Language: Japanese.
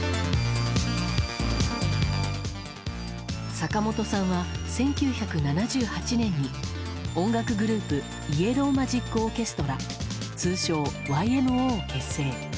坂本さんは、１９７８年に音楽グループ、イエロー・マジック・オーケストラ通称ＹＭＯを結成。